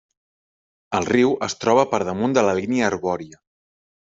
El riu es troba per damunt de la línia arbòria.